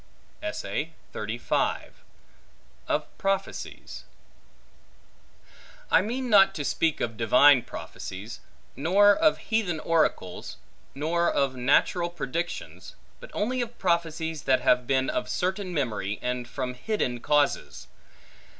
Of Prophecies I MEAN not to speak of divine prophecies; nor of heathen oracles; nor of natural predictions; but only of prophecies that have been of certain memory, and from hidden causes.